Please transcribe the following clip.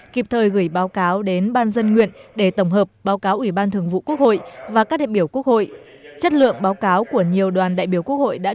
kịp thời gửi báo cáo đến ban dân nguyện để tổng hợp báo cáo ủy ban thường vụ quốc hội và các đại biểu quốc hội